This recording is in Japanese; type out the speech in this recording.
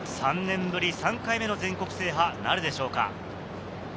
３年ぶり３回目の全国制覇なるでしょうか。